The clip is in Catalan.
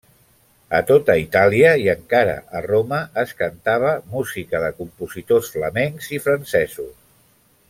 A tota Itàlia i encara a Roma es cantava música de compositors flamencs i francesos.